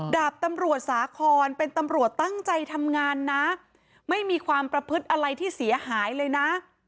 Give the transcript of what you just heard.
ดาบตำรวจสาคอนเป็นตำรวจตั้งใจทำงานนะไม่มีความประพฤติอะไรที่เสียหายเลยนะ